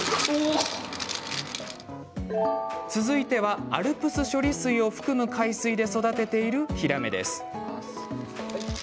続いてはＡＬＰＳ処理水を含む海水で育てているヒラメです。